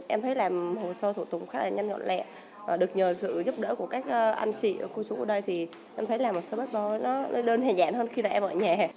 em thấy làm hồ sơ thủ tục khá là nhanh ngọn lẹ được nhờ sự giúp đỡ của các anh chị cô chú ở đây thì em thấy làm hồ sơ passport nó đơn hình dạng hơn khi là em ở nhà